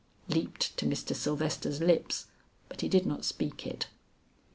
leaped to Mr. Sylvester's lips, but he did not speak it.